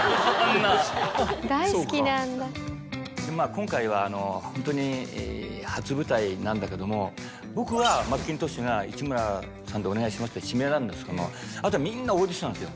今回はホントに初舞台なんだけども僕はマッキントッシュが「市村さんでお願いします」って指名なんですけどあとみんなオーディションなんですよ